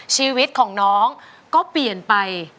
ชีวิตของน้องก็เปลี่ยนไป